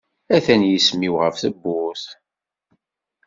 Atan yisem-iw ɣef tewwurt.